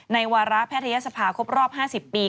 วาระแพทยศภาครบรอบ๕๐ปี